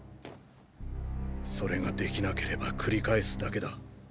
それができなければ繰り返すだけだ。